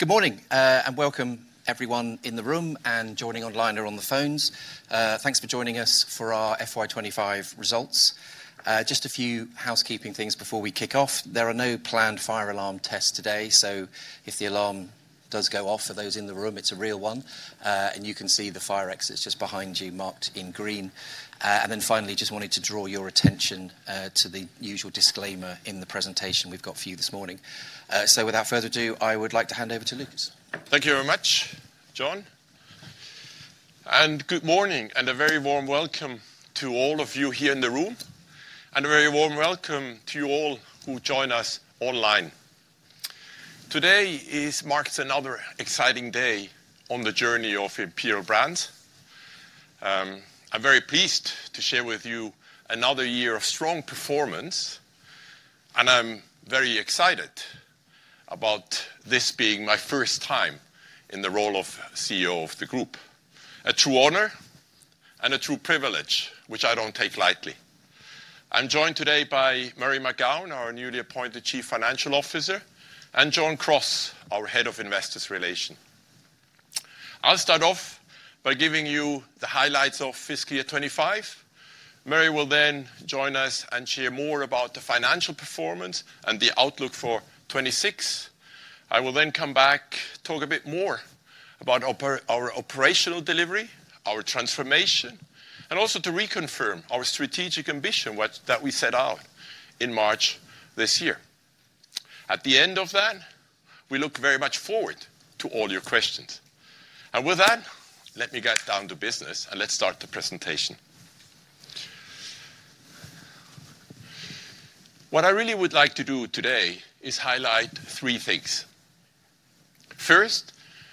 Good morning, and welcome, everyone in the room and joining online or on the phones. Thanks for joining us for our FY25 Results. Just a few housekeeping things before we kick off. There are no planned fire alarm tests today, so if the alarm does go off for those in the room, it's a real one. You can see the fire exits just behind you, marked in green. Finally, just wanted to draw your attention to the usual disclaimer in the presentation we've got for you this morning. Without further ado, I would like to hand over to Lukas. Thank you very much, John. Good morning, and a very warm welcome to all of you here in the room, and a very warm welcome to you all who join us online. Today marks another exciting day on the journey of Imperial Brands. I'm very pleased to share with you another year of strong performance, and I'm very excited about this being my first time in the role of CEO of the group. A true honor and a true privilege, which I don't take lightly. I'm joined today by Murray McGowan, our newly appointed Chief Financial Officer, and John Cross, our Head of Investor Relations. I'll start off by giving you the highlights of fiscal year 2025. Murray will then join us and share more about the financial performance and the outlook for 2026. I will then come back, talk a bit more about our operational delivery, our transformation, and also to reconfirm our strategic ambition that we set out in March this year. At the end of that, we look very much forward to all your questions. With that, let me get down to business, and let's start the presentation. What I really would like to do today is highlight three things. First,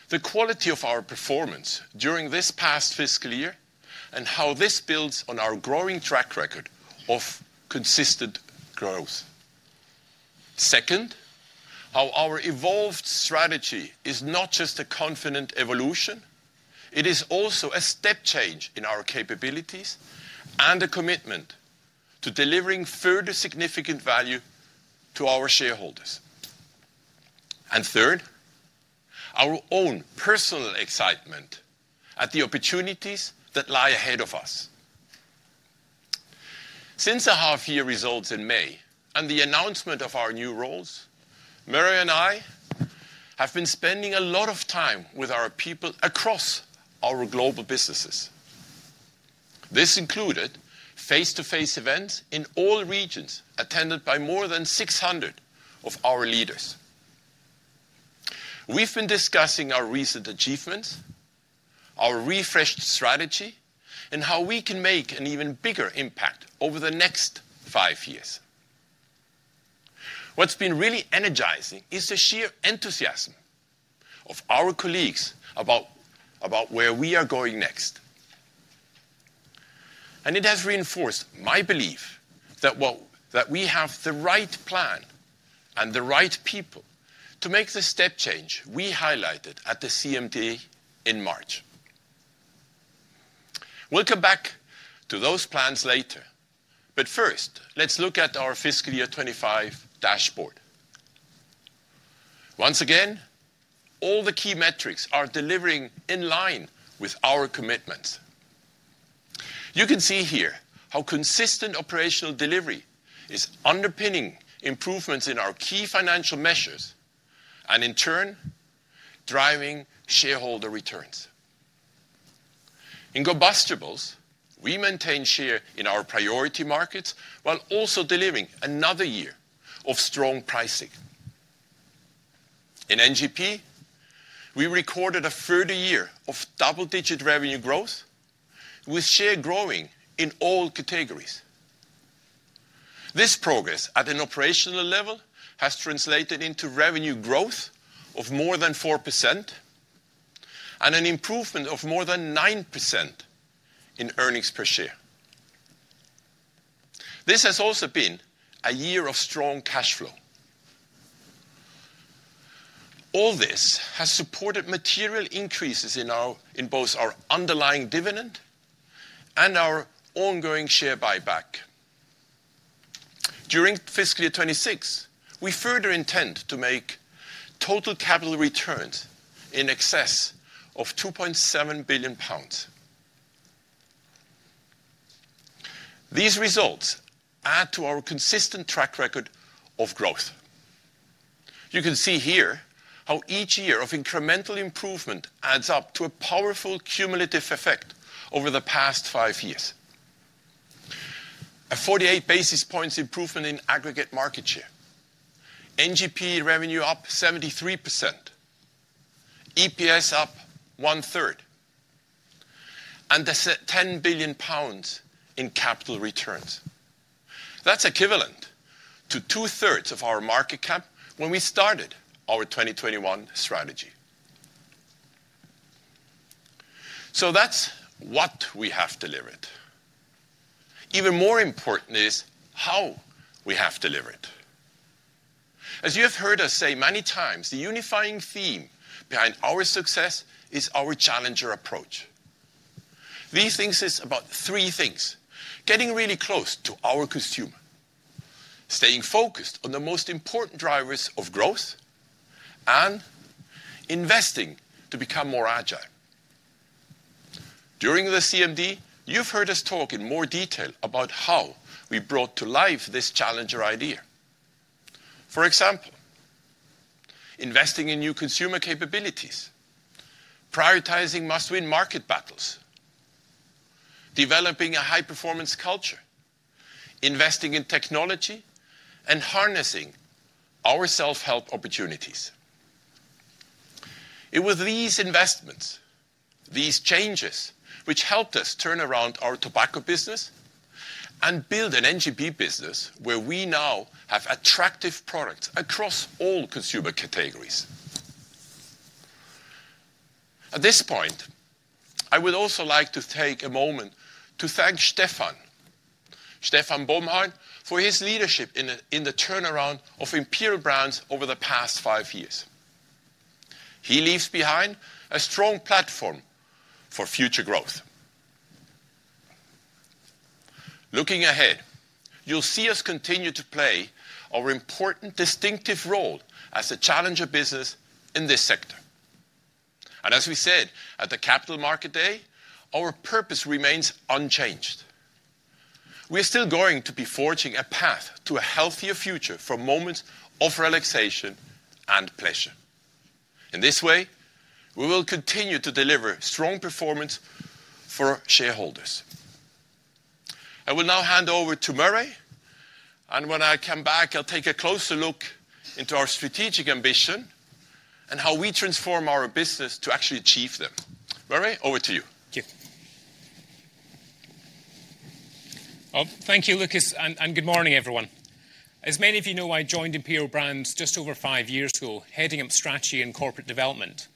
the quality of our performance during this past fiscal year and how this builds on our growing track record of consistent growth. Second, how our evolved strategy is not just a confident evolution; it is also a step change in our capabilities and a commitment to delivering further significant value to our shareholders. Third, our own personal excitement at the opportunities that lie ahead of us. Since the half-year results in May and the announcement of our new roles, Murray and I have been spending a lot of time with our people across our global businesses. This included face-to-face events in all regions attended by more than 600 of our leaders. We've been discussing our recent achievements, our refreshed strategy, and how we can make an even bigger impact over the next five years. What's been really energizing is the sheer enthusiasm of our colleagues about where we are going next. It has reinforced my belief that we have the right plan and the right people to make the step change we highlighted at the CMD in March. We'll come back to those plans later. First, let's look at our fiscal year 2025 dashboard. Once again, all the key metrics are delivering in line with our commitments. You can see here how consistent operational delivery is underpinning improvements in our key financial measures and, in turn, driving shareholder returns. In combustibles, we maintain share in our priority markets while also delivering another year of strong pricing. In NGP, we recorded a further year of double-digit revenue growth, with share growing in all categories. This progress at an operational level has translated into revenue growth of more than 4% and an improvement of more than 9% in earnings per share. This has also been a year of strong cash flow. All this has supported material increases in both our underlying dividend and our ongoing share buyback. During fiscal year 2026, we further intend to make total capital returns in excess of GBP 2.7 billion. These results add to our consistent track record of growth. You can see here how each year of incremental improvement adds up to a powerful cumulative effect over the past five years: a 48 basis points improvement in aggregate market share, NGP revenue up 73%, EPS up one-third, and 10 billion pounds in capital returns. That is equivalent to two-thirds of our market cap when we started our 2021 strategy. That is what we have delivered. Even more important is how we have delivered. As you have heard us say many times, the unifying theme behind our success is our challenger approach. These things are about three things: getting really close to our consumer, staying focused on the most important drivers of growth, and investing to become more agile. During the CMD, you have heard us talk in more detail about how we brought to life this challenger idea. For example, investing in new consumer capabilities, prioritizing must-win market battles, developing a high-performance culture, investing in technology, and harnessing our self-help opportunities. It was these investments, these changes, which helped us turn around our tobacco business and build an NGP business where we now have attractive products across all consumer categories. At this point, I would also like to take a moment to thank Stefan, Stefan Bomhard for his leadership in the turnaround of Imperial Brands over the past five years. He leaves behind a strong platform for future growth. Looking ahead, you will see us continue to play our important distinctive role as a challenger business in this sector. As we said at the Capital Markets Day, our purpose remains unchanged. We are still going to be forging a path to a healthier future for moments of relaxation and pleasure. In this way, we will continue to deliver strong performance for shareholders. I will now hand over to Murray, and when I come back, I'll take a closer look into our strategic ambition and how we transform our business to actually achieve them. Murray, over to you. Thank you. Thank you, Lukas, and good morning, everyone. As many of you know, I joined Imperial Brands just over five years ago, heading up strategy and corporate development.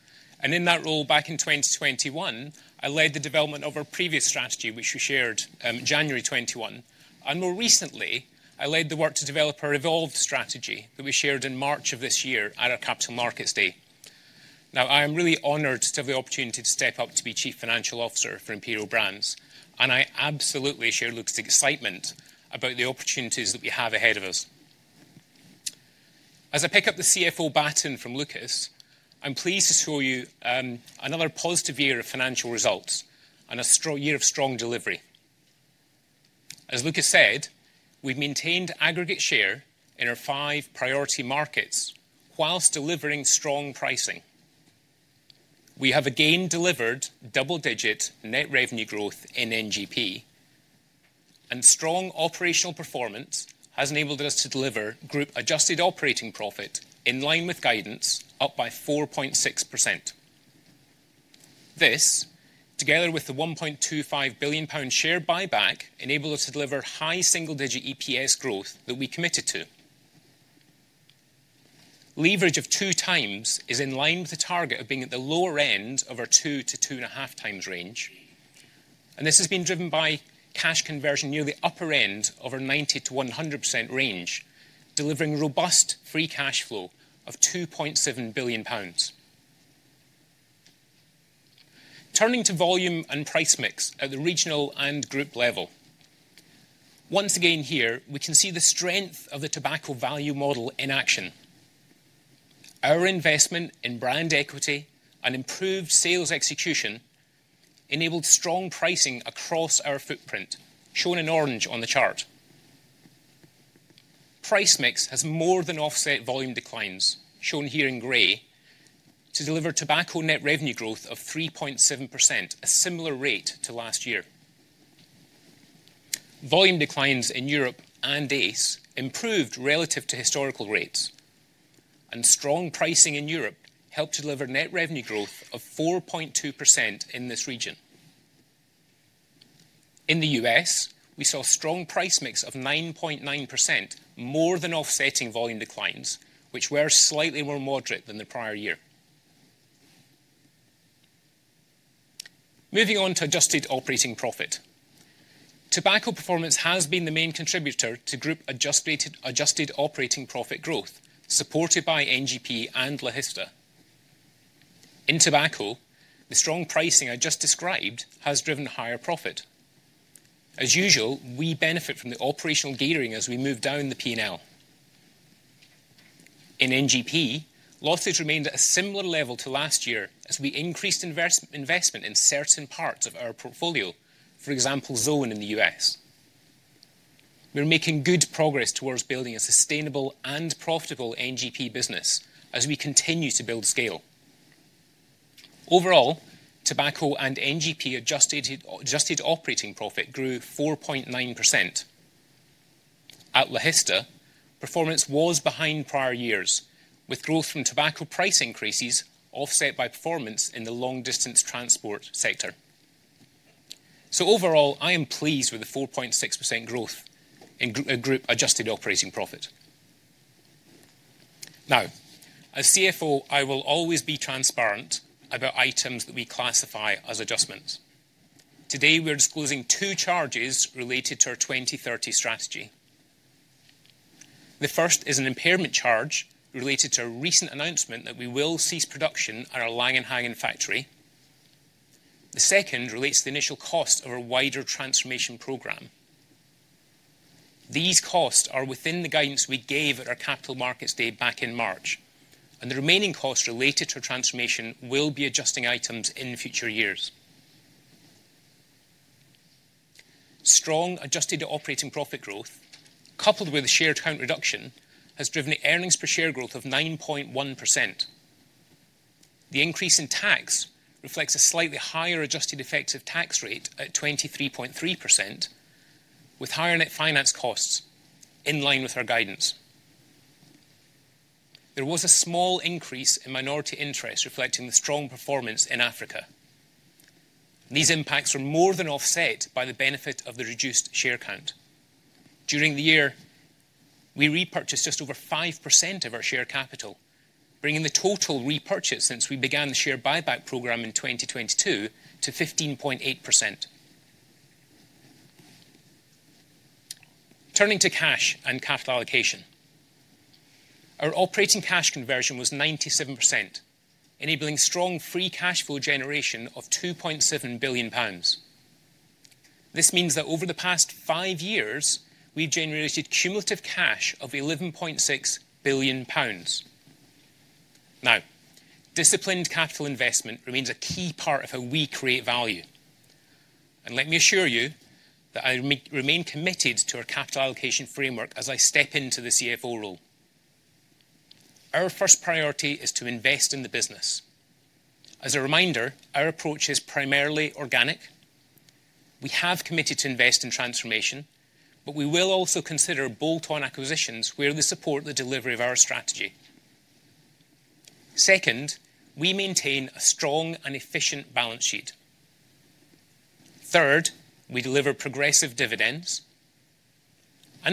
In that role, back in 2021, I led the development of our previous strategy, which we shared in January 2021. More recently, I led the work to develop our evolved strategy that we shared in March of this year at our Capital Markets Day. Now, I am really honored to have the opportunity to step up to be Chief Financial Officer for Imperial Brands, and I absolutely share Lukas's excitement about the opportunities that we have ahead of us. As I pick up the CFO Baton from Lukas, I'm pleased to show you another positive year of financial results and a year of strong delivery. As Lukas said, we've maintained aggregate share in our five priority markets whilst delivering strong pricing. We have again delivered double-digit net revenue growth in NGP, and strong operational performance has enabled us to deliver group-adjusted operating profit in line with guidance, up by 4.6%. This, together with the 1.25 billion pound share buyback, enables us to deliver high single-digit EPS growth that we committed to. Leverage of two times is in line with the target of being at the lower end of our two-to-two-and-a-half-times range. This has been driven by cash conversion near the upper end of our 90%-100% range, delivering robust free cash flow of 2.7 billion pounds. Turning to volume and price mix at the regional and group level, once again here, we can see the strength of the tobacco value model in action. Our investment in brand equity and improved sales execution enabled strong pricing across our footprint, shown in orange on the chart. Price mix has more than offset volume declines, shown here in gray, to deliver tobacco net revenue growth of 3.7%, a similar rate to last year. Volume declines in Europe and ACE improved relative to historical rates, and strong pricing in Europe helped to deliver net revenue growth of 4.2% in this region. In the U.S., we saw a strong price mix of 9.9%, more than offsetting volume declines, which were slightly more moderate than the prior year. Moving on to adjusted operating profit, tobacco performance has been the main contributor to group-adjusted operating profit growth, supported by NGP and Lahista. In tobacco, the strong pricing I just described has driven higher profit. As usual, we benefit from the operational gearing as we move down the P&L. In NGP, losses remained at a similar level to last year as we increased investment in certain parts of our portfolio, for example, Zone in the U.S.. We're making good progress towards building a sustainable and profitable NGP business as we continue to build scale. Overall, tobacco and NGP adjusted operating profit grew 4.9%. At Langenhagen, performance was behind prior years, with growth from tobacco price increases offset by performance in the long-distance transport sector. I am pleased with the 4.6% growth in group-adjusted operating profit. Now, as CFO, I will always be transparent about items that we classify as adjustments. Today, we're disclosing two charges related to our 2030 strategy. The first is an impairment charge related to a recent announcement that we will cease production at our Langenhagen factory. The second relates to the initial cost of our wider transformation program. These costs are within the guidance we gave at our Capital Markets Day back in March, and the remaining costs related to our transformation will be adjusting items in future years. Strong adjusted operating profit growth, coupled with the share count reduction, has driven earnings per share growth of 9.1%. The increase in tax reflects a slightly higher adjusted effective tax rate at 23.3%, with higher net finance costs in line with our guidance. There was a small increase in minority interest reflecting the strong performance in Africa. These impacts are more than offset by the benefit of the reduced share count. During the year, we repurchased just over 5% of our share capital, bringing the total repurchase since we began the share buyback program in 2022 to 15.8%. Turning to cash and capital allocation, our operating cash conversion was 97%, enabling strong free cash flow generation of 2.7 billion pounds. This means that over the past five years, we have generated cumulative cash of 11.6 billion pounds. Disciplined capital investment remains a key part of how we create value. Let me assure you that I remain committed to our capital allocation framework as I step into the CFO role. Our first priority is to invest in the business. As a reminder, our approach is primarily organic. We have committed to invest in transformation, but we will also consider bolt-on acquisitions where they support the delivery of our strategy. Second, we maintain a strong and efficient balance sheet. Third, we deliver progressive dividends.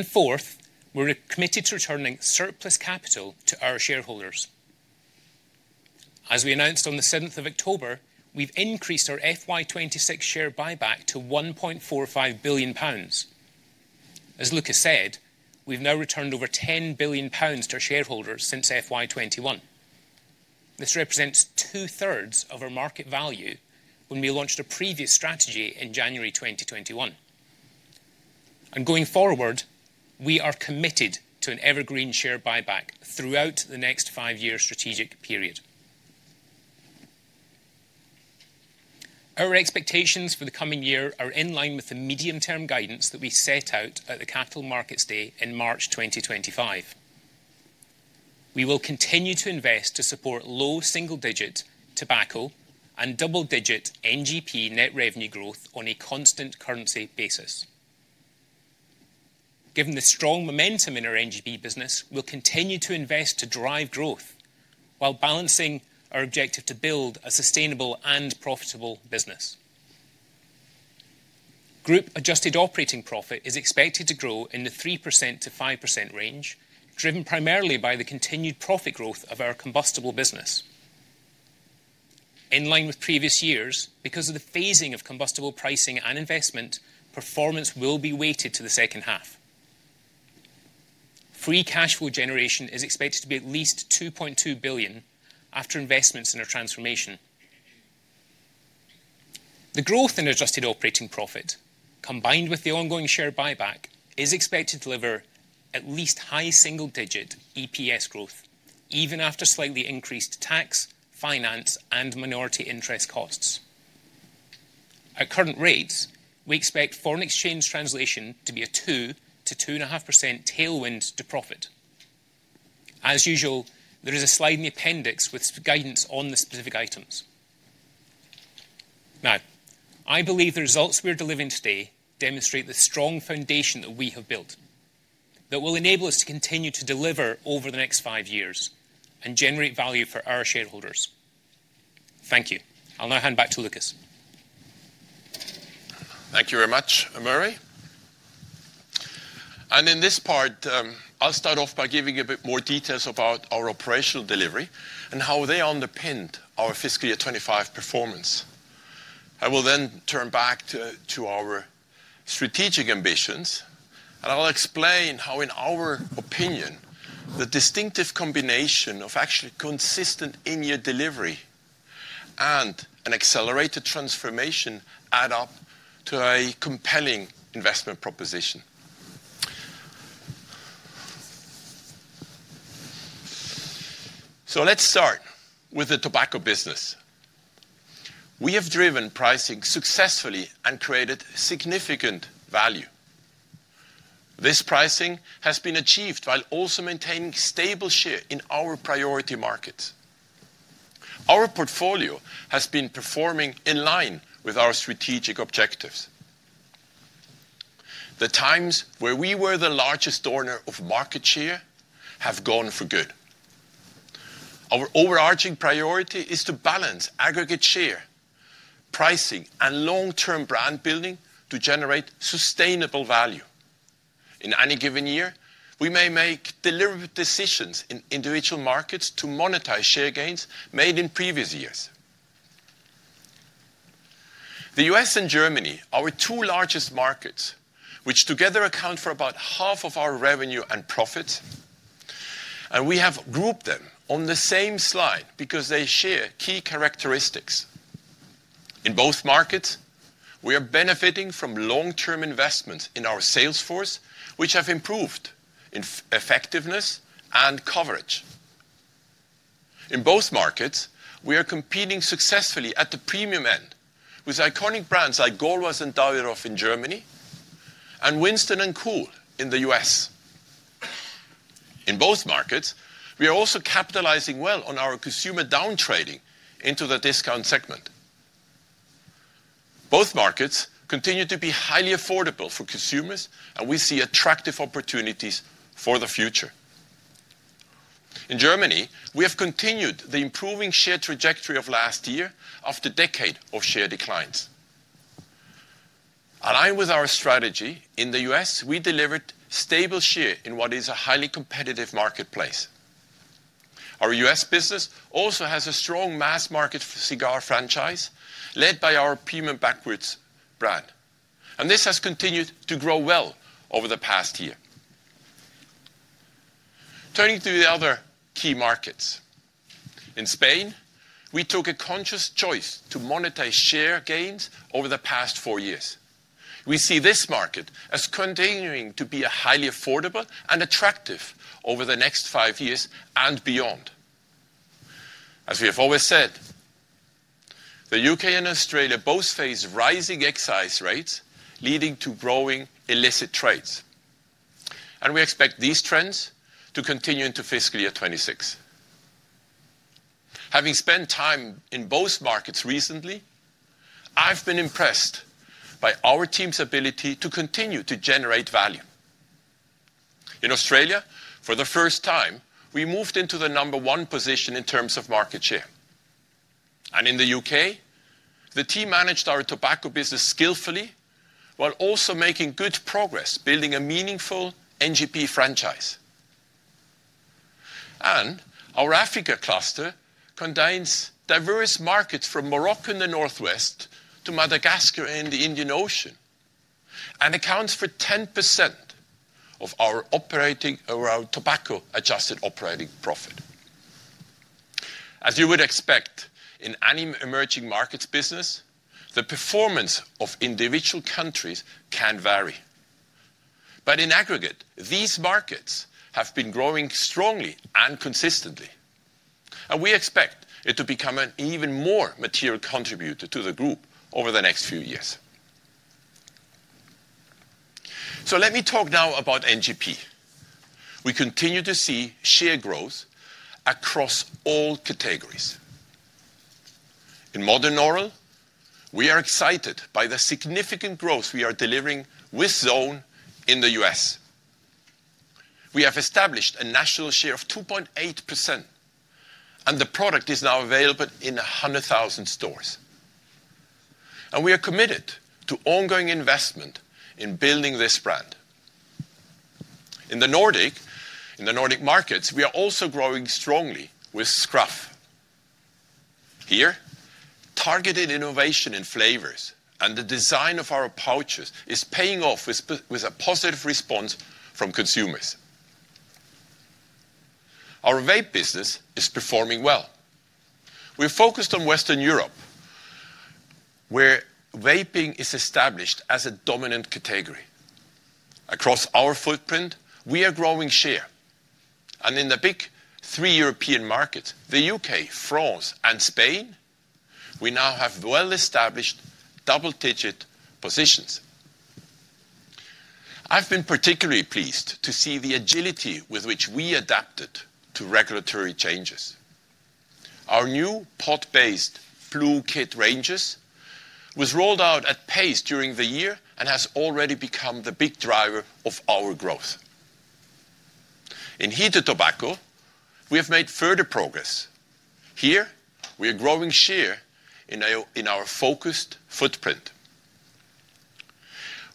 Fourth, we are committed to returning surplus capital to our shareholders. As we announced on the 7th of October, we have increased our FY26 share buyback to 1.45 billion pounds. As Lukas said, we have now returned over 10 billion pounds to our shareholders since FY2021. This represents two-thirds of our market value when we launched our previous strategy in January 2021. Going forward, we are committed to an evergreen share buyback throughout the next five-year strategic period. Our expectations for the coming year are in line with the medium-term guidance that we set out at the Capital Markets Day in March 2025. We will continue to invest to support low single-digit tobacco and double-digit NGP net revenue growth on a constant currency basis. Given the strong momentum in our NGP business, we'll continue to invest to drive growth while balancing our objective to build a sustainable and profitable business. Group-adjusted operating profit is expected to grow in the 3%-5% range, driven primarily by the continued profit growth of our combustible business. In line with previous years, because of the phasing of combustible pricing and investment, performance will be weighted to the second half. Free cash flow generation is expected to be at least 2.2 billion after investments in our transformation. The growth in adjusted operating profit, combined with the ongoing share buyback, is expected to deliver at least high single-digit EPS growth, even after slightly increased tax, finance, and minority interest costs. At current rates, we expect foreign exchange translation to be a 2%-2.5% tailwind to profit. As usual, there is a slide in the appendix with guidance on the specific items. Now, I believe the results we're delivering today demonstrate the strong foundation that we have built that will enable us to continue to deliver over the next five years and generate value for our shareholders. Thank you. I'll now hand back to Lukas. Thank you very much, Murray. In this part, I'll start off by giving you a bit more details about our operational delivery and how they underpinned our fiscal year 2025 performance. I will then turn back to our strategic ambitions, and I'll explain how, in our opinion, the distinctive combination of actually consistent in-year delivery and an accelerated transformation add up to a compelling investment proposition. Let's start with the tobacco business. We have driven pricing successfully and created significant value. This pricing has been achieved while also maintaining stable share in our priority markets. Our portfolio has been performing in line with our strategic objectives. The times where we were the largest donor of market share have gone for good. Our overarching priority is to balance aggregate share, pricing, and long-term brand building to generate sustainable value. In any given year, we may make deliberate decisions in individual markets to monetize share gains made in previous years. The U.S. and Germany are our two largest markets, which together account for about half of our revenue and profits, and we have grouped them on the same slide because they share key characteristics. In both markets, we are benefiting from long-term investments in our sales force, which have improved in effectiveness and coverage. In both markets, we are competing successfully at the premium end with iconic brands like Gauloises and Davidoff in Germany and Winston and Kool in the U.S.. In both markets, we are also capitalizing well on our consumer downtrading into the discount segment. Both markets continue to be highly affordable for consumers, and we see attractive opportunities for the future. In Germany, we have continued the improving share trajectory of last year after a decade of share declines. Aligned with our strategy in the U.S., we delivered stable share in what is a highly competitive marketplace. Our U.S. business also has a strong mass-market cigar franchise led by our premium Backwoods brand, and this has continued to grow well over the past year. Turning to the other key markets, in Spain, we took a conscious choice to monetize share gains over the past four years. We see this market as continuing to be highly affordable and attractive over the next five years and beyond. As we have always said, the U.K. and Australia both face rising excise rates leading to growing illicit trades, and we expect these trends to continue into fiscal year 2026. Having spent time in both markets recently, I've been impressed by our team's ability to continue to generate value. In Australia, for the first time, we moved into the number one position in terms of market share. In the U.K., the team managed our tobacco business skillfully while also making good progress building a meaningful NGP franchise. Our Africa cluster contains diverse markets from Morocco in the Northwest to Madagascar in the Indian Ocean and accounts for 10% of our operating or our tobacco-adjusted operating profit. As you would expect in any emerging markets business, the performance of individual countries can vary. In aggregate, these markets have been growing strongly and consistently, and we expect it to become an even more material contributor to the group over the next few years. Let me talk now about NGP. We continue to see share growth across all categories. In modern oral, we are excited by the significant growth we are delivering with Zone in the U.S. We have established a national share of 2.8%, and the product is now available in 100,000 stores. We are committed to ongoing investment in building this brand. In the Nordic markets, we are also growing strongly with Skruf. Here, targeted innovation in flavors and the design of our pouches is paying off with a positive response from consumers. Our vape business is performing well. We are focused on Western Europe, where vaping is established as a dominant category. Across our footprint, we are growing share. In the big three European markets, the U.K., France, and Spain, we now have well-established double-digit positions. I have been particularly pleased to see the agility with which we adapted to regulatory changes. Our new pod-based Blu kit ranges was rolled out at pace during the year and has already become the big driver of our growth. In heated tobacco, we have made further progress. Here, we are growing share in our focused footprint.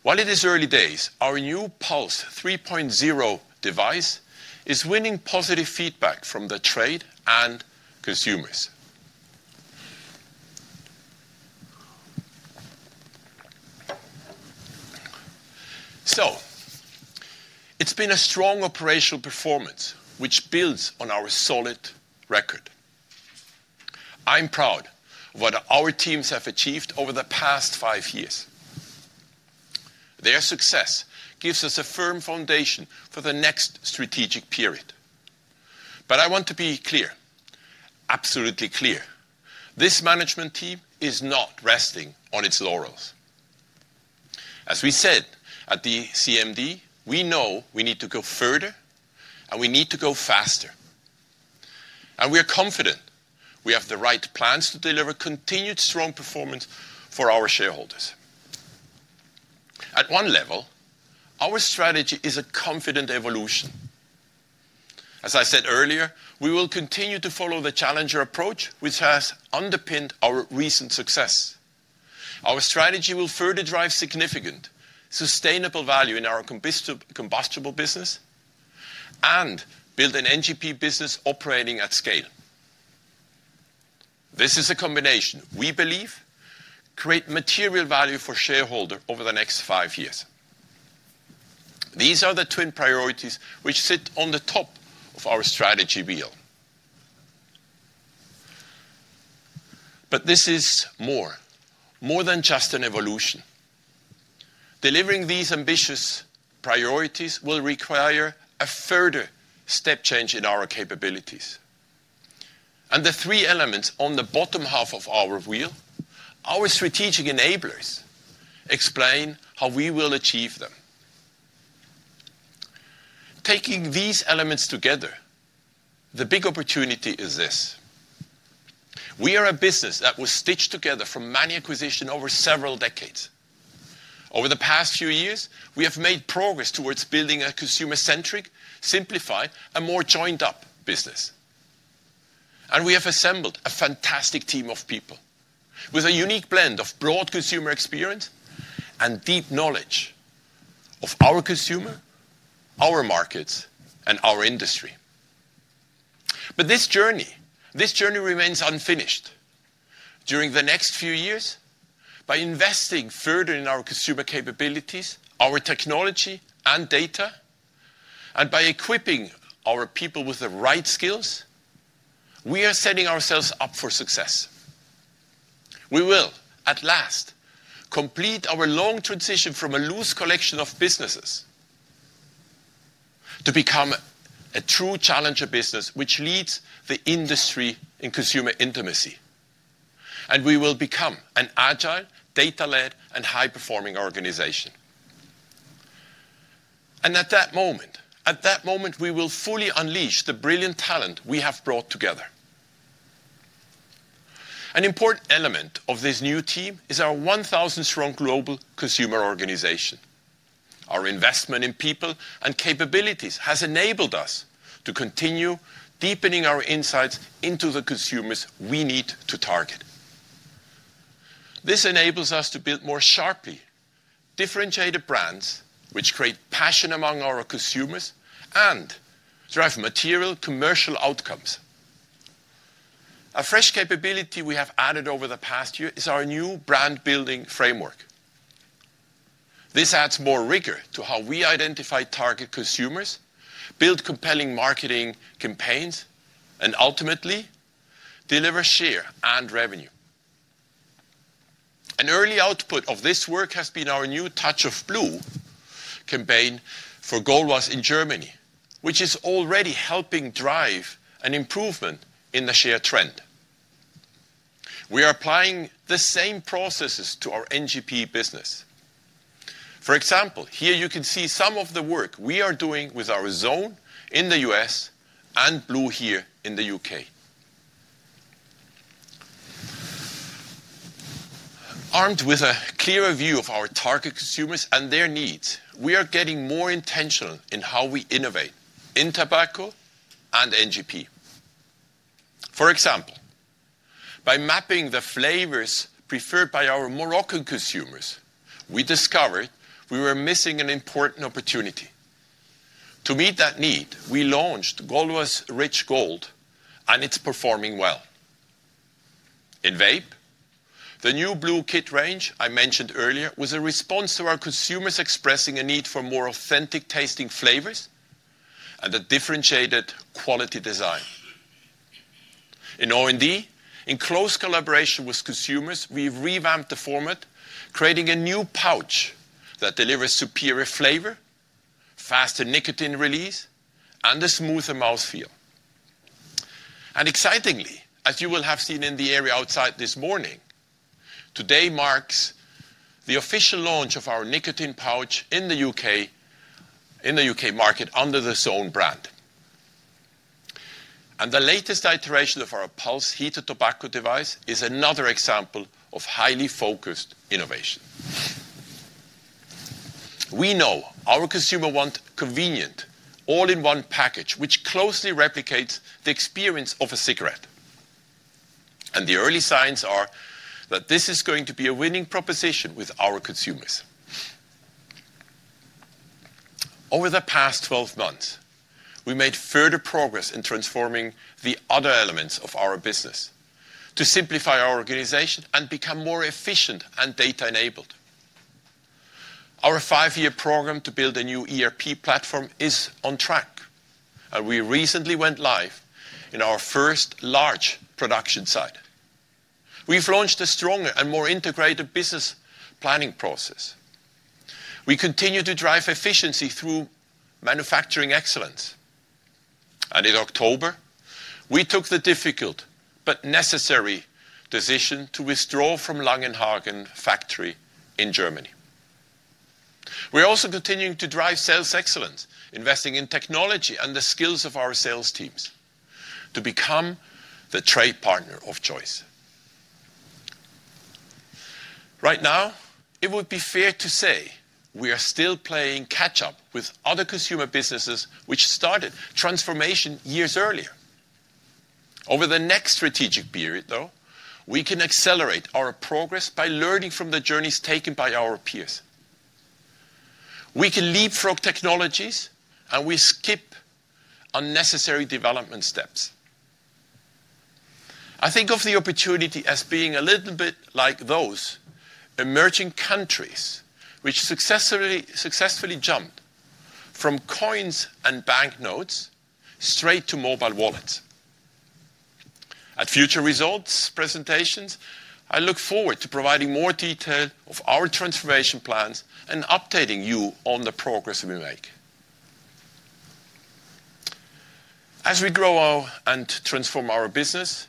While it is early days, our new Pulse 3.0 device is winning positive feedback from the trade and consumers. It has been a strong operational performance, which builds on our solid record. I'm proud of what our teams have achieved over the past five years. Their success gives us a firm foundation for the next strategic period. I want to be clear, absolutely clear, this management team is not resting on its laurels. As we said at the CMD, we know we need to go further, and we need to go faster. We are confident we have the right plans to deliver continued strong performance for our shareholders. At one level, our strategy is a confident evolution. As I said earlier, we will continue to follow the challenger approach, which has underpinned our recent success. Our strategy will further drive significant sustainable value in our combustible business and build an NGP business operating at scale. This is a combination we believe creates material value for shareholders over the next five years. These are the twin priorities which sit on the top of our strategy wheel. This is more, more than just an evolution. Delivering these ambitious priorities will require a further step change in our capabilities. The three elements on the bottom half of our wheel, our strategic enablers, explain how we will achieve them. Taking these elements together, the big opportunity is this. We are a business that was stitched together from many acquisitions over several decades. Over the past few years, we have made progress towards building a consumer-centric, simplified, and more joined-up business. We have assembled a fantastic team of people with a unique blend of broad consumer experience and deep knowledge of our consumer, our markets, and our industry. This journey remains unfinished. During the next few years, by investing further in our consumer capabilities, our technology and data, and by equipping our people with the right skills, we are setting ourselves up for success. We will, at last, complete our long transition from a loose collection of businesses to become a true challenger business, which leads the industry in consumer intimacy. We will become an agile, data-led, and high-performing organization. At that moment, we will fully unleash the brilliant talent we have brought together. An important element of this new team is our 1,000-strong global consumer organization. Our investment in people and capabilities has enabled us to continue deepening our insights into the consumers we need to target. This enables us to build more sharply differentiated brands, which create passion among our consumers and drive material commercial outcomes. A fresh capability we have added over the past year is our new brand-building framework. This adds more rigor to how we identify target consumers, build compelling marketing campaigns, and ultimately deliver share and revenue. An early output of this work has been our new Touch of Blue campaign for Gauloises in Germany, which is already helping drive an improvement in the share trend. We are applying the same processes to our NGP business. For example, here you can see some of the work we are doing with our Zone in the U.S. and Blu here in the U.K. Armed with a clearer view of our target consumers and their needs, we are getting more intentional in how we innovate in tobacco and NGP. For example, by mapping the flavors preferred by our Moroccan consumers, we discovered we were missing an important opportunity. To meet that need, we launched Gauloises Rich Gold, and it is performing well. In vape, the new Blu kit range I mentioned earlier was a response to our consumers expressing a need for more authentic tasting flavors and a differentiated quality design. In O&D, in close collaboration with consumers, we ha`ve revamped the format, creating a new pouch that delivers superior flavor, faster nicotine release, and a smoother mouthfeel. Excitingly, as you will have seen in the area outside this morning, today marks the official launch of our nicotine pouch in the U.K. market under the Zone brand. The latest iteration of our Pulse heated tobacco device is another example of highly focused innovation. We know our consumer wants a convenient all-in-one package, which closely replicates the experience of a cigarette. The early signs are that this is going to be a winning proposition with our consumers. Over the past 12 months, we made further progress in transforming the other elements of our business to simplify our organization and become more efficient and data-enabled. Our five-year program to build a new ERP platform is on track, and we recently went live in our first large production site. We have launched a stronger and more integrated business planning process. We continue to drive efficiency through manufacturing excellence. In October, we took the difficult but necessary decision to withdraw from the Langenhagen factory in Germany. We are also continuing to drive sales excellence, investing in technology and the skills of our sales teams to become the trade partner of choice. Right now, it would be fair to say we are still playing catch-up with other consumer businesses, which started transformation years earlier. Over the next strategic period, though, we can accelerate our progress by learning from the journeys taken by our peers. We can leapfrog technologies, and we skip unnecessary development steps. I think of the opportunity as being a little bit like those emerging countries which successfully jumped from coins and banknotes straight to mobile wallets. At future results presentations, I look forward to providing more detail of our transformation plans and updating you on the progress we make. As we grow and transform our business,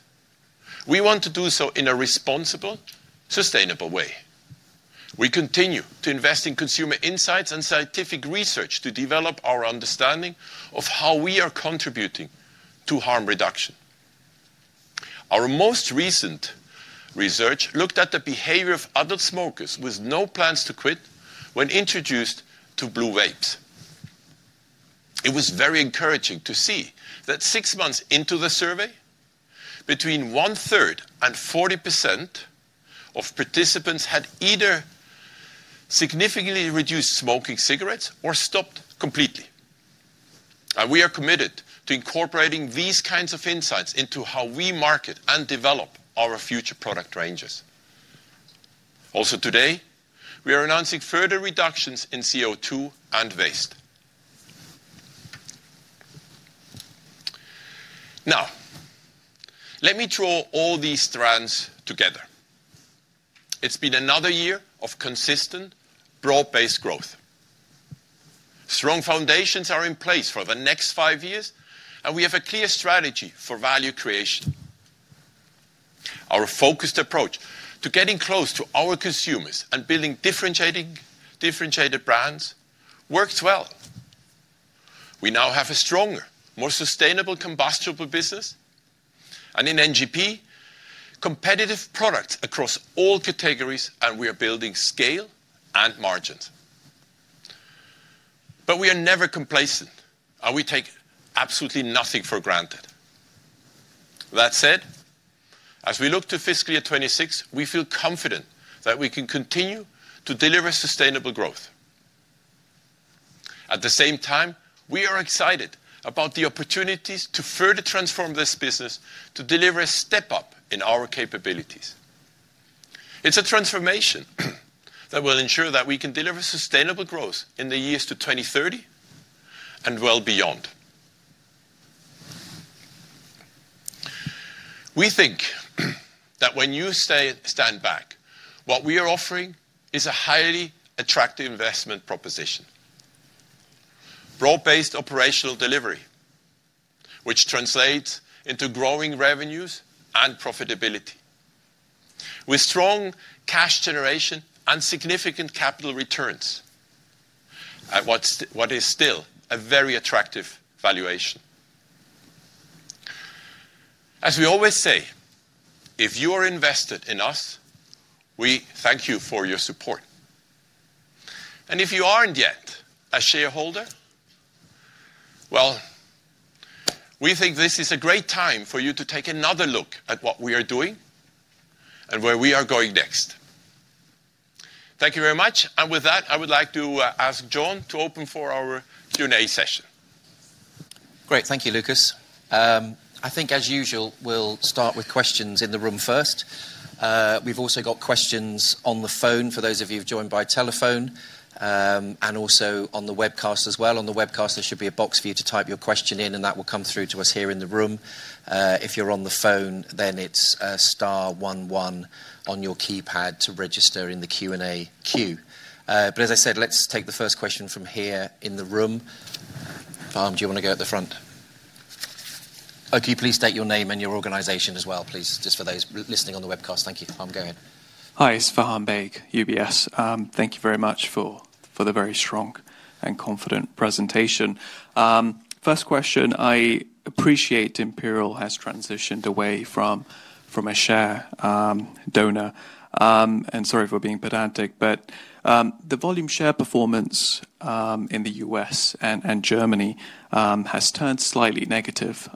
we want to do so in a responsible, sustainable way. We continue to invest in consumer insights and scientific research to develop our understanding of how we are contributing to harm reduction. Our most recent research looked at the behavior of adult smokers with no plans to quit when introduced to Blu vapes. It was very encouraging to see that six months into the survey, between one-third and 40% of participants had either significantly reduced smoking cigarettes or stopped completely. We are committed to incorporating these kinds of insights into how we market and develop our future product ranges. Also today, we are announcing further reductions in CO2 and waste. Now, let me draw all these strands together. It has been another year of consistent broad-based growth. Strong foundations are in place for the next five years, and we have a clear strategy for value creation. Our focused approach to getting close to our consumers and building differentiated brands works well. We now have a stronger, more sustainable combustible business, and in NGP, competitive products across all categories, and we are building scale and margins. We are never complacent, and we take absolutely nothing for granted. That said, as we look to fiscal year 2026, we feel confident that we can continue to deliver sustainable growth. At the same time, we are excited about the opportunities to further transform this business to deliver a step up in our capabilities. It is a transformation that will ensure that we can deliver sustainable growth in the years to 2030 and well beyond. We think that when you stand back, what we are offering is a highly attractive investment proposition: broad-based operational delivery, which translates into growing revenues and profitability with strong cash generation and significant capital returns at what is still a very attractive valuation. As we always say, if you are invested in us, we thank you for your support. If you are not yet a shareholder, we think this is a great time for you to take another look at what we are doing and where we are going next. Thank you very much. With that, I would like to ask John to open for our Q&A session. Great. Thank you, Lukas. I think, as usual, we'll start with questions in the room first. We've also got questions on the phone for those of you who've joined by telephone and also on the webcast as well. On the webcast, there should be a box for you to type your question in, and that will come through to us here in the room. If you're on the phone, then it's star 11 on your keypad to register in the Q&A queue. As I said, let's take the first question from here in the room. Farhan, do you want to go at the front? Could you please state your name and your organization as well, please, just for those listening on the webcast? Thank you. Farhan, go ahead. Hi, it's Farhan Baig, UBS. Thank you very much for the very strong and confident presentation. First question, I appreciate Imperial Brands has transitioned away from a share donor. Sorry for being pedantic, but the volume share performance in the U.S. and Germany has turned slightly negative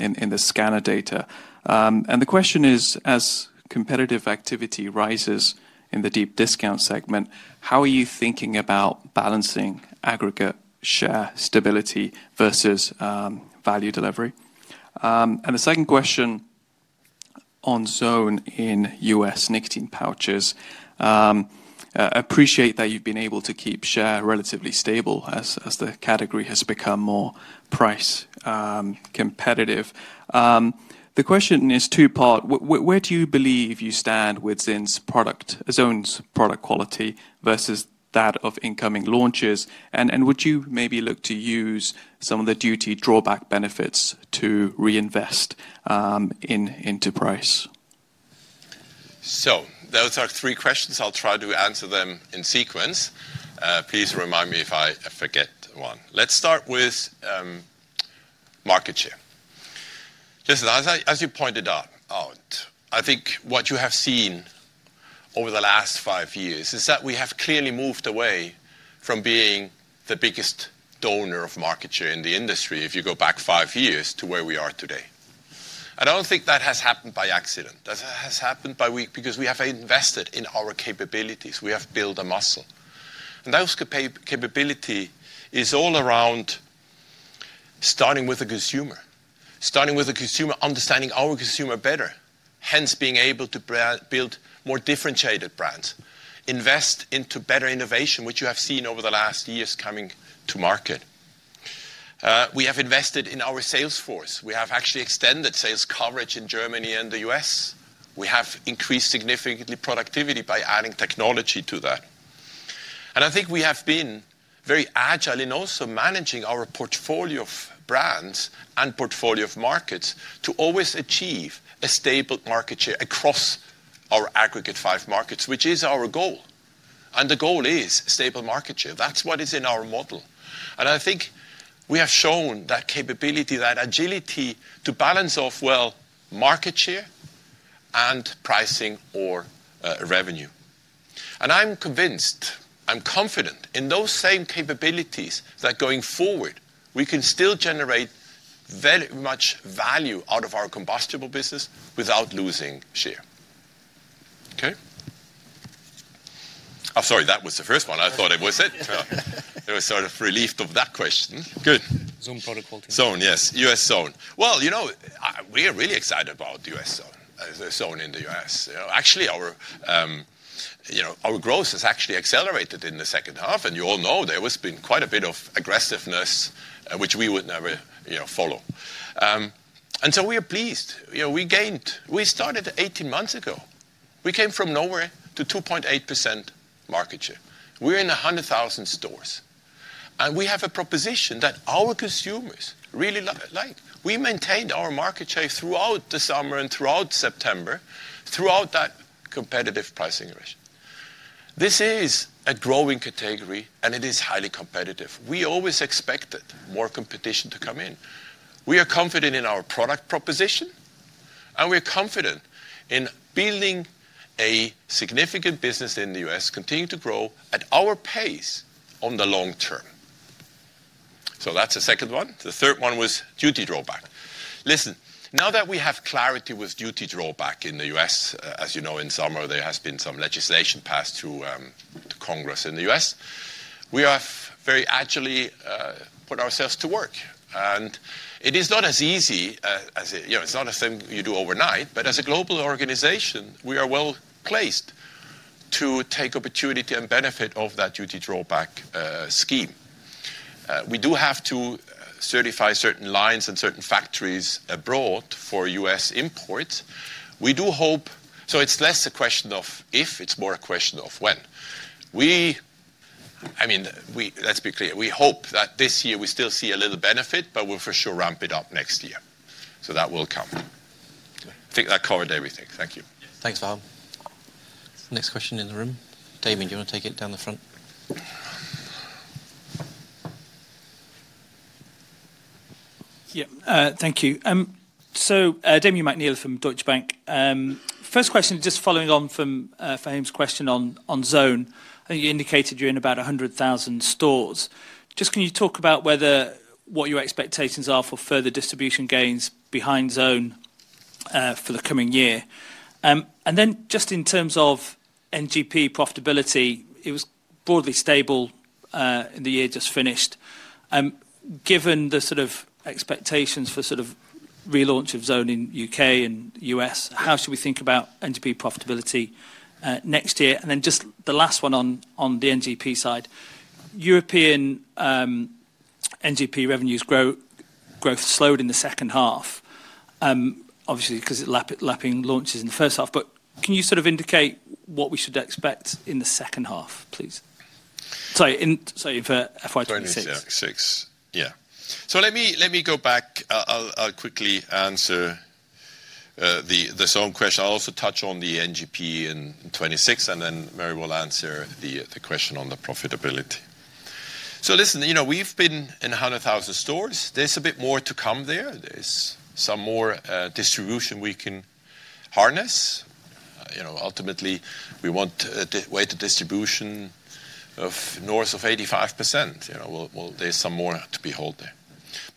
in the scanner data. The question is, as competitive activity rises in the deep discount segment, how are you thinking about balancing aggregate share stability versus value delivery? The second question on Zone in U.S. nicotine pouches, I appreciate that you've been able to keep share relatively stable as the category has become more price competitive. The question is two-part. Where do you believe you stand within Zone's product quality versus that of incoming launches? Would you maybe look to use some of the duty drawback benefits to reinvest into price? Those are three questions. I'll try to answer them in sequence. Please remind me if I forget one. Let's start with market share. Just as you pointed out, I think what you have seen over the last five years is that we have clearly moved away from being the biggest donor of market share in the industry if you go back five years to where we are today. I don't think that has happened by accident. That has happened because we have invested in our capabilities. We have built a muscle. That capability is all around starting with the consumer, starting with the consumer, understanding our consumer better, hence being able to build more differentiated brands, invest into better innovation, which you have seen over the last years coming to market. We have invested in our sales force. We have actually extended sales coverage in Germany and the U.S. We have increased significantly productivity by adding technology to that. I think we have been very agile in also managing our portfolio of brands and portfolio of markets to always achieve a stable market share across our aggregate five markets, which is our goal. The goal is stable market share. That is what is in our model. I think we have shown that capability, that agility to balance off well market share and pricing or revenue. I am convinced, I am confident in those same capabilities that going forward, we can still generate very much value out of our combustible business without losing share. Okay? I am sorry, that was the first one. I thought it was it. I was sort of relieved of that question. Good. Zone product quality. Zone, yes. U.S. Zone. You know we are really excited about the U.S. Zone in the U.S. Actually, our growth has actually accelerated in the second half. You all know there has been quite a bit of aggressiveness, which we would never follow. We are pleased. We started 18 months ago. We came from nowhere to 2.8% market share. We're in 100,000 stores. We have a proposition that our consumers really like. We maintained our market share throughout the summer and throughout September, throughout that competitive pricing ratio. This is a growing category, and it is highly competitive. We always expected more competition to come in. We are confident in our product proposition, and we are confident in building a significant business in the U.S., continuing to grow at our pace on the long term. That's the second one. The third one was duty drawback. Listen, now that we have clarity with duty drawback in the U.S., as you know, in summer, there has been some legislation passed through Congress in the U.S. We have very agilely put ourselves to work. It is not as easy as it's not a thing you do overnight. As a global organization, we are well placed to take opportunity and benefit of that duty drawback scheme. We do have to certify certain lines and certain factories abroad for U.S. imports. We do hope so it's less a question of if, it's more a question of when. I mean, let's be clear. We hope that this year we still see a little benefit, but we'll for sure ramp it up next year. That will come. I think that covered everything. Thank you. Thanks, Farhan. Next question in the room. David, do you want to take it down the front? Yeah, thank you. David McNeil from Deutsche Bank. First question, just following on from Farhan's question on Zone. I think you indicated you're in about 100,000 stores. Just can you talk about whether what your expectations are for further distribution gains behind Zone for the coming year? In terms of NGP profitability, it was broadly stable in the year just finished. Given the sort of expectations for sort of relaunch of Zone in the U.K. and U.S., how should we think about NGP profitability next year? Just the last one on the NGP side. European NGP revenues growth slowed in the second half, obviously because it's lapping launches in the first half. Can you sort of indicate what we should expect in the second half, please? Sorry, for FY2026. 2026, yeah. Let me go back. I'll quickly answer the Zone question. I'll also touch on the NGP in 2026, and then Murray will answer the question on the profitability. Listen, we've been in 100,000 stores. There's a bit more to come there. There's some more distribution we can harness. Ultimately, we want weighted distribution of north of 85%. There's some more to be held there.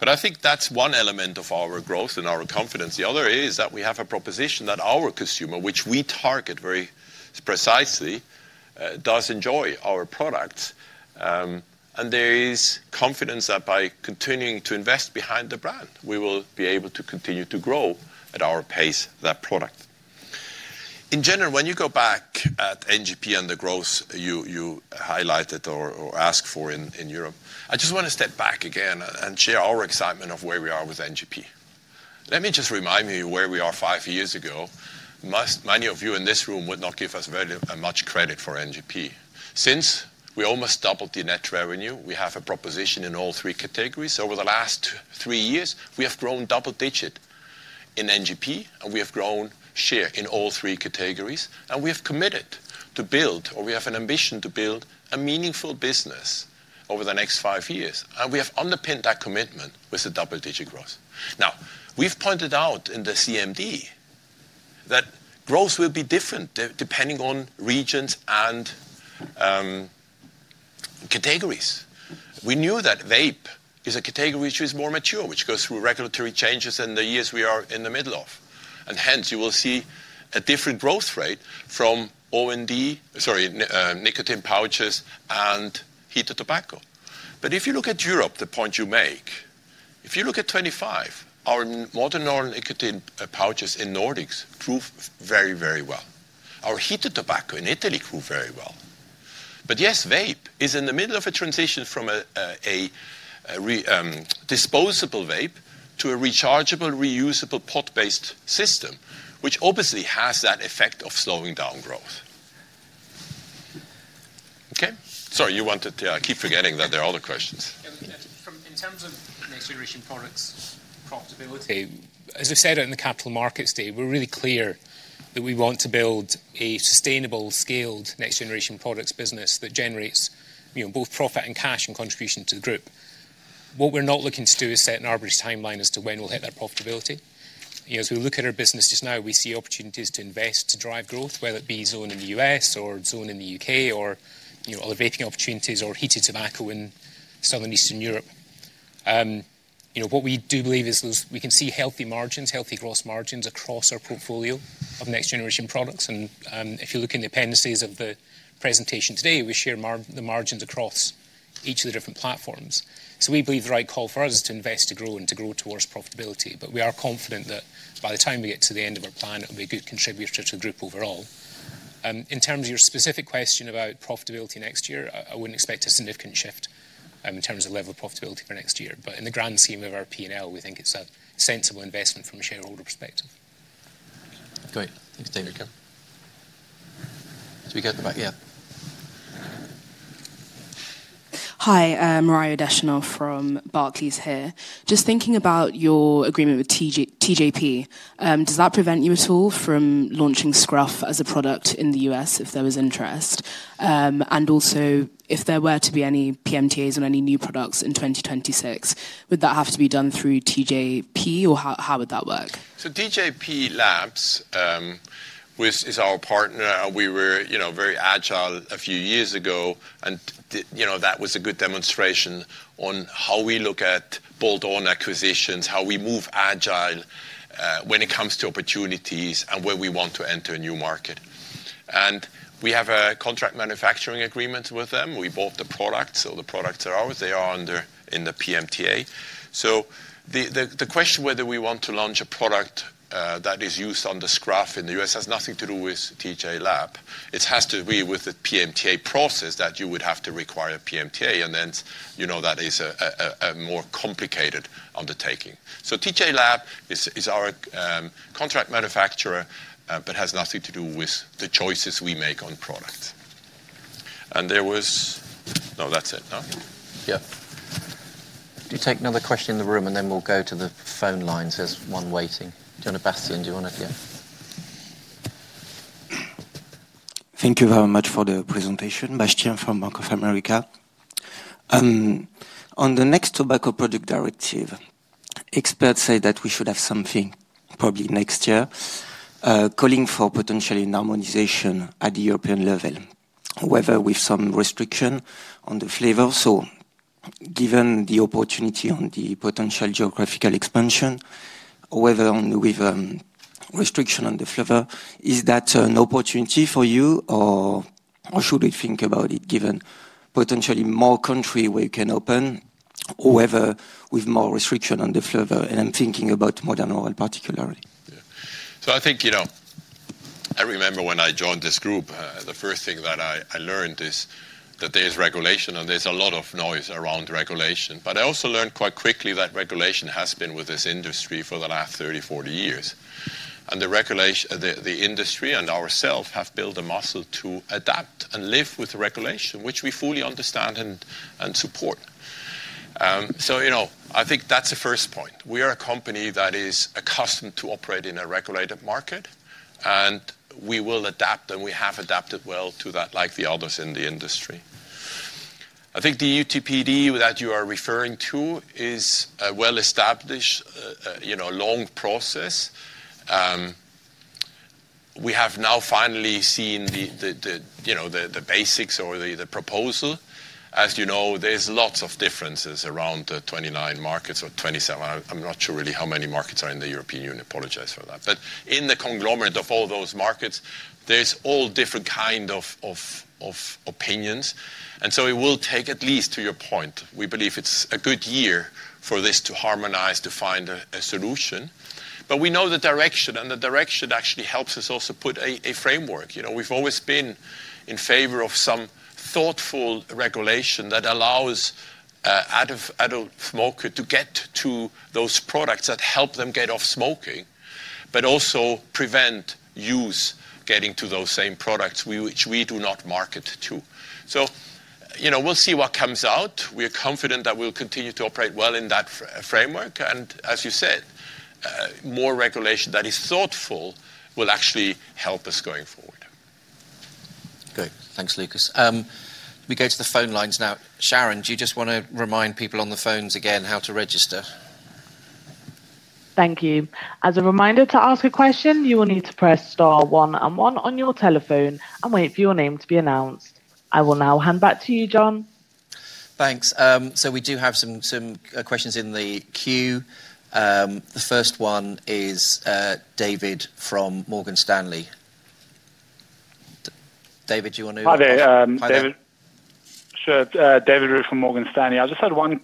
I think that's one element of our growth and our confidence. The other is that we have a proposition that our consumer, which we target very precisely, does enjoy our products. There is confidence that by continuing to invest behind the brand, we will be able to continue to grow at our pace that product. In general, when you go back at NGP and the growth you highlighted or asked for in Europe, I just want to step back again and share our excitement of where we are with NGP. Let me just remind you where we are five years ago. Many of you in this room would not give us very much credit for NGP. Since we almost doubled the net revenue, we have a proposition in all three categories. Over the last three years, we have grown double-digit in NGP, and we have grown share in all three categories. We have committed to build, or we have an ambition to build, a meaningful business over the next five years. We have underpinned that commitment with a double-digit growth. Now, we've pointed out in the CMD that growth will be different depending on regions and categories. We knew that vape is a category which is more mature, which goes through regulatory changes in the years we are in the middle of. Hence, you will see a different growth rate from O&D, sorry, nicotine pouches and heated tobacco. If you look at Europe, the point you make, if you look at 2025, our modern nicotine pouches in Nordics grew very, very well. Our heated tobacco in Italy grew very well. Yes, vape is in the middle of a transition from a disposable vape to a rechargeable, reusable pod-based system, which obviously has that effect of slowing down growth. Okay? Sorry, you wanted to keep forgetting that there are other questions. In terms of next-generation products, profitability. As I said in the Capital Markets Day, we're really clear that we want to build a sustainable, scaled next-generation products business that generates both profit and cash and contribution to the group. What we're not looking to do is set an arbitrary timeline as to when we'll hit that profitability. As we look at our business just now, we see opportunities to invest, to drive growth, whether it be Zone in the U.S. or Zone in the U.K. or other vaping opportunities or heated tobacco in southern Eastern Europe. What we do believe is we can see healthy margins, healthy gross margins across our portfolio of next-generation products. If you look in the appendices of the presentation today, we share the margins across each of the different platforms. We believe the right call for us is to invest, to grow, and to grow towards profitability. We are confident that by the time we get to the end of our plan, it will be a good contributor to the group overall. In terms of your specific question about profitability next year, I would not expect a significant shift in terms of level of profitability for next year. In the grand scheme of our P&L, we think it is a sensible investment from a shareholder perspective. Great. Thank you, David. Do we get the back? Yeah. Hi, [Mariah Deshonov] from Barclays here. Just thinking about your agreement with TJP, does that prevent you at all from launching Skruf as a product in the U.S. if there was interest? Also, if there were to be any PMTAs on any new products in 2026, would that have to be done through TJP or how would that work? TJP Labs is our partner. We were very agile a few years ago. That was a good demonstration on how we look at bolt-on acquisitions, how we move agile when it comes to opportunities and where we want to enter a new market. We have a contract manufacturing agreement with them. We bought the products. The products are ours. They are under in the PMTA. The question whether we want to launch a product that is used on the Skruf in the U.S. has nothing to do with TJP Labs. It has to be with the PMTA process that you would have to require a PMTA. That is a more complicated undertaking. TJP Labs is our contract manufacturer, but has nothing to do with the choices we make on products. There was no, that's it. Yeah. Do you take another question in the room, and then we'll go to the phone lines. There's one waiting. Do you want to, Bastian, do you want to? Yeah. Thank you very much for the presentation, Bastian from Bank of America. On the next Tobacco Products Directive, experts say that we should have something probably next year calling for potentially a harmonization at the European level, whether with some restriction on the flavor. Given the opportunity on the potential geographical expansion, whether with restriction on the flavor, is that an opportunity for you, or should we think about it given potentially more countries where you can open, or whether with more restriction on the flavor? I am thinking about modern oral particularly. I think I remember when I joined this group, the first thing that I learned is that there is regulation, and there is a lot of noise around regulation. I also learned quite quickly that regulation has been with this industry for the last 30-40 years. The industry and ourselves have built a muscle to adapt and live with regulation, which we fully understand and support. I think that is a first point. We are a company that is accustomed to operate in a regulated market. We will adapt, and we have adapted well to that, like the others in the industry. I think the TPD that you are referring to is a well-established, long process. We have now finally seen the basics or the proposal. As you know, there are lots of differences around the 29 markets or 27. I'm not sure really how many markets are in the European Union. Apologize for that. In the conglomerate of all those markets, there are all different kinds of opinions. It will take, at least to your point, we believe it's a good year for this to harmonize, to find a solution. We know the direction. The direction actually helps us also put a framework. We've always been in favor of some thoughtful regulation that allows adult smokers to get to those products that help them get off smoking, but also prevent youth getting to those same products, which we do not market to. We will see what comes out. We are confident that we will continue to operate well in that framework. As you said, more regulation that is thoughtful will actually help us going forward. Great. Thanks, Lukas. We go to the phone lines now. Sharon, do you just want to remind people on the phones again how to register? Thank you. As a reminder to ask a question, you will need to press star one and one on your telephone and wait for your name to be announced. I will now hand back to you, John. Thanks. We do have some questions in the queue. The first one is David from Morgan Stanley. David, do you want to? Hi, David. David Reed from Morgan Stanley. I just had one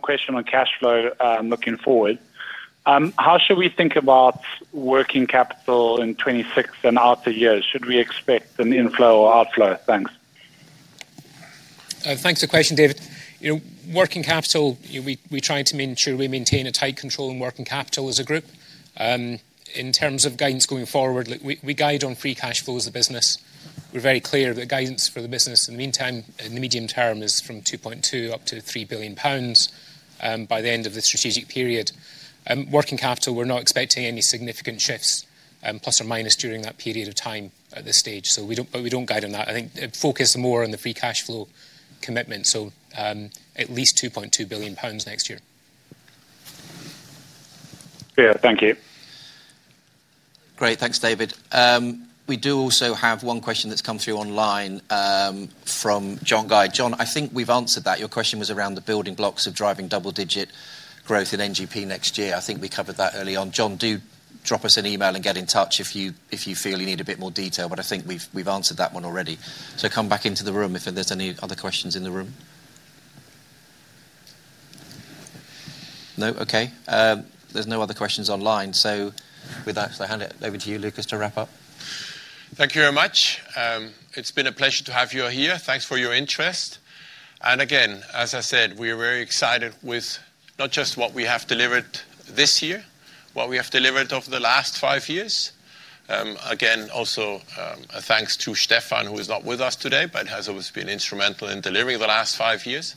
question on cash flow looking forward. How should we think about working capital in 2026 and after years? Should we expect an inflow or outflow? Thanks. Thanks for the question, David. Working capital, we're trying to ensure we maintain a tight control on working capital as a group. In terms of guidance going forward, we guide on free cash flows of the business. We're very clear that guidance for the business in the meantime in the medium term is from 2.2 billion-3 billion pounds by the end of the strategic period. Working capital, we're not expecting any significant shifts plus or minus during that period of time at this stage. We do not guide on that. I think focus more on the free cash flow commitment, so at least 2.2 billion pounds next year. Yeah, thank you. Great. Thanks, David. We do also have one question that's come through online from John Guy. John, I think we've answered that. Your question was around the building blocks of driving double-digit growth in NGP next year. I think we covered that early on. John, do drop us an email and get in touch if you feel you need a bit more detail. I think we've answered that one already. Come back into the room if there's any other questions in the room. No? Okay. There's no other questions online. With that, I'll hand it over to you, Lukas, to wrap up. Thank you very much. It's been a pleasure to have you here. Thanks for your interest. As I said, we are very excited with not just what we have delivered this year, what we have delivered over the last five years. Also, thanks to Stefan, who is not with us today, but has obviously been instrumental in delivering the last five years.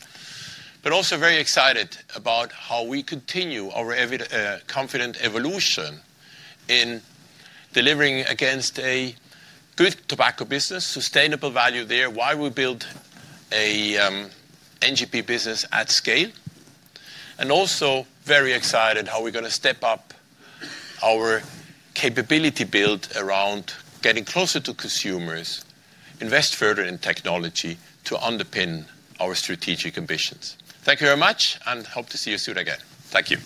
We are also very excited about how we continue our confident evolution in delivering against a good tobacco business, sustainable value there, while we build an NGP business at scale. We are also very excited about how we're going to step up our capability build around getting closer to consumers, invest further in technology to underpin our strategic ambitions. Thank you very much, and hope to see you soon again. Thank you.